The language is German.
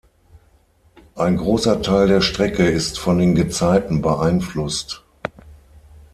Ein großer Teil der Strecke ist von den Gezeiten beeinflusst.